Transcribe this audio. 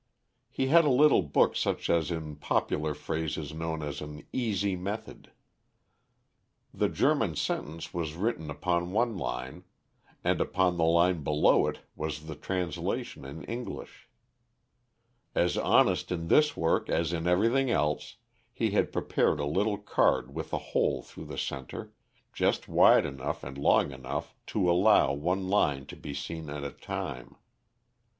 He had a little book such as in popular phrase is known as an "easy method." The German sentence was written upon one line; and upon the line below it was the translation in English. As honest in this work as in every thing else, he had prepared a little card with a hole through the centre, just wide enough and long enough to allow one line to be seen at a time.